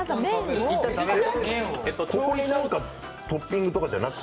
ここに何かトッピングとかじゃなくて？